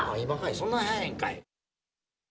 そんな早いんかいって。